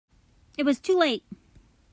It was too late.